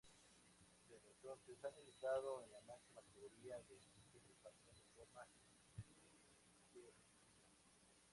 Desde entonces ha militado en la máxima categoría del baloncesto español de forma ininterrumpida.